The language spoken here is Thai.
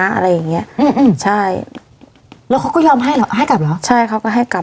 อะไรอย่างเงี้ยอืมใช่แล้วเขาก็ยอมให้เหรอให้กลับเหรอใช่เขาก็ให้กลับ